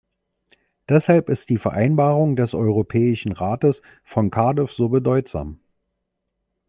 Deshalb ist die Vereinbarung des Europäischen Rates von Cardiff so bedeutsam.